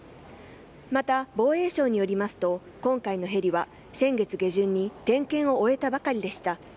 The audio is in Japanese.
また、防衛省になりますと、今回のヘリは先月下旬に点検を終えたばかりでした。